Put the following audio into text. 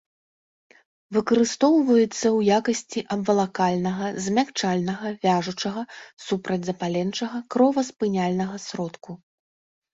Выкарыстоўваецца ў якасці абвалакальнага, змякчальнага, вяжучага, супрацьзапаленчага, кроваспыняльнага сродку.